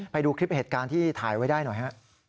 ไปดูคลิปเหตุการณ์ที่ถ่ายไว้ได้หน่อยฮะ